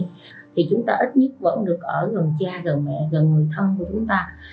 thì chúng ta ít nhất vẫn được ở gần cha gần mẹ gần người thân của chúng ta